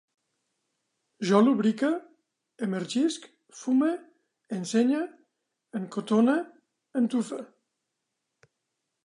Jo lubrique, emergisc, fume, ensenye, encotone, entufe